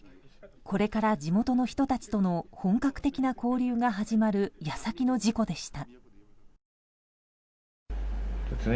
これから地元の人たちとの本格的な交流が始まる矢先の事故でした。